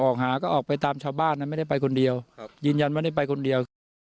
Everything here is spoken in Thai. ออกหาก็ออกไปตามชาวบ้านนะไม่ได้ไปคนเดียวครับยืนยันว่าได้ไปคนเดียวคือ